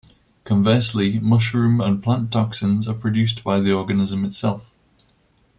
Conversely, mushroom and plant toxins are produced by the organism itself.